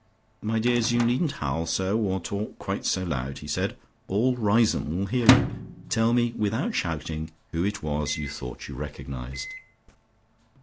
"My dears, you needn't howl so, or talk quite so loud," he said. "All Riseholme will hear you. Tell me without shouting who it was you thought you recognised."